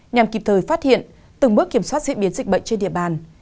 nhằm kịp thời phát hiện từng bước kiểm soát diễn biến dịch bệnh trên địa bàn